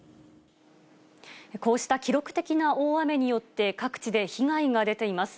こうした記録的な大雨によって、各地で被害が出ています。